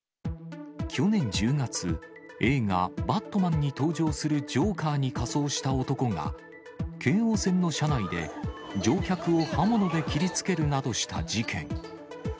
去年１０月、映画、バットマンに登場するジョーカーに仮装した男が、京王線の車内で乗客を刃物で切りつけるなどした事件。